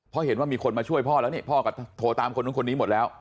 เพราะเห็นว่ามีคนมาช่วยพ่อแล้วนี่พ่อก็โทรตามคนนู้นคนนี้หมดแล้ว